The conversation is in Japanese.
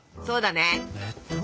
そうだね。